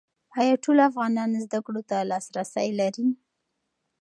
ایا ټول افغانان زده کړو ته لاسرسی لري؟